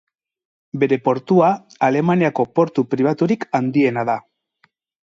Bere portua, Alemaniako portu pribaturik handiena da.